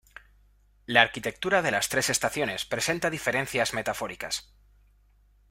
La arquitectura de las tres estaciones presenta diferencias metafóricas.